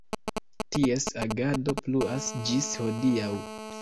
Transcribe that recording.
Ties agado pluas ĝis hodiaŭ.